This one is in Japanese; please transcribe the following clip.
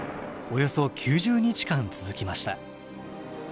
およそ９０日間続きました。